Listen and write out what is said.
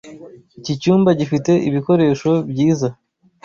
Iki cyumba gifite ibikoresho byiza.